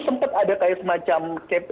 sempat ada kayak semacam